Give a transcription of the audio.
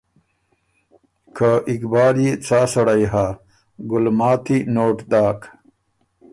که اقبال يې څا سړئ هۀ۔ ګلماتی نوټ داک